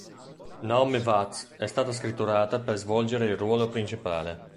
Naomi Watts è stata scritturata per svolgere il ruolo principale.